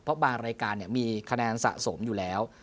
เพราะบางรายการมีคะแนนสะสมอยู่แล้ว